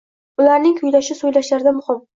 Ularning kuylashu so‘ylashlarida muhim.